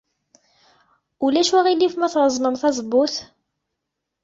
Ulac aɣilif ma treẓmem tazewwut?